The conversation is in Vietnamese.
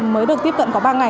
mới được tiếp cận có ba ngày